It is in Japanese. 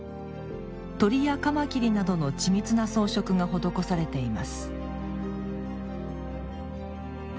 鶏やカマキリなどの緻密な装飾が施されています